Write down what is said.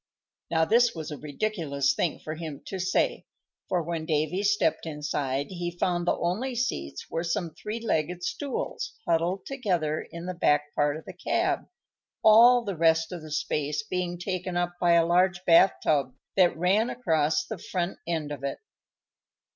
Now, this was a ridiculous thing for him to say, for when Davy stepped inside he found the only seats were some three legged stools huddled together in the back part of the cab, all the rest of the space being taken up by a large bath tub that ran across the front end of it.